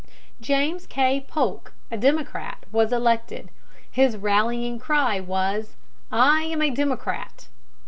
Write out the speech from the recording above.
James K. Polk, a Democrat, was elected. His rallying cry was, "I am a Democrat."